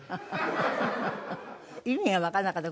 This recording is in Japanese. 意味がわからなかった。